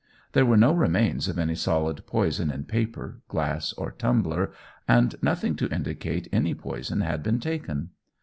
There were no remains of any solid poison in paper, glass, or tumbler, and nothing to indicate any poison had been taken.